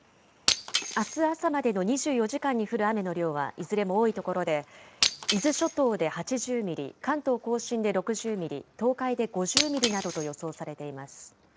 あす朝までの２４時間に降る雨の量はいずれも多い所で、伊豆諸島で８０ミリ、関東甲信で６０ミリ、東海で５０ミリなどと予想されています。